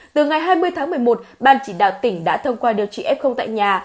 từ ngày hai mươi tháng một mươi một ban chỉ đạo tỉnh đã thông qua điều trị f tại nhà